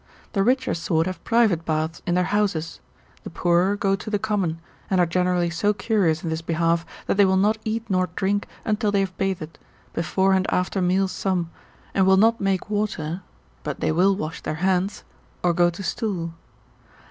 The richer sort have private baths in their houses; the poorer go to the common, and are generally so curious in this behalf, that they will not eat nor drink until they have bathed, before and after meals some, and will not make water (but they will wash their hands) or go to stool.